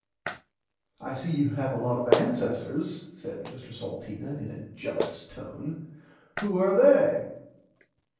I see you have a lot of ancesters said Mr Salteena in a jelous tone, who are they.